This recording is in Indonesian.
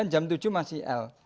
dua puluh sembilan jam tujuh masih l